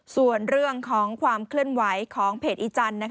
ส่วนเรื่องของความเคลื่อนไหวของเพจอีจันทร์